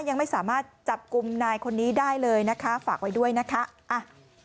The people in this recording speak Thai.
ยังไม่สามารถจับกลุ่มนายคนนี้ได้เลยนะคะฝากไว้ด้วยนะคะอ่ะ